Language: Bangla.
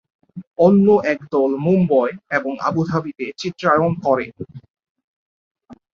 অন্য একদল মুম্বই এবং আবুধাবিতে চিত্রায়ন করে।